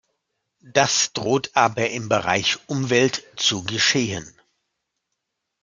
Das droht aber im Bereich Umwelt zu geschehen.